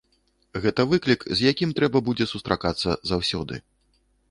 Гэта выклік, з якім трэба будзе сустракацца заўсёды.